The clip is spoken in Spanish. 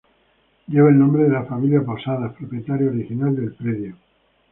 Lleva el nombre de la familia Posadas, propietaria original del predio.